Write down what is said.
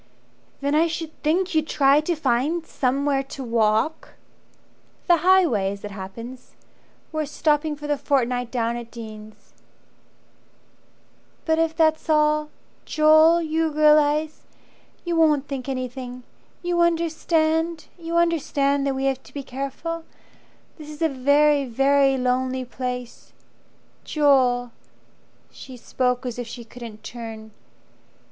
"Then I should think you'd try to find Somewhere to walk " "The highway as it happens We're stopping for the fortnight down at Dean's." "But if that's all Joel you realize You won't think anything. You understand? You understand that we have to be careful. This is a very, very lonely place. Joel!" She spoke as if she couldn't turn.